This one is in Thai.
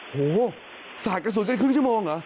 โหสาดกระสุนกันครึ่งชั่วโมงเหรอ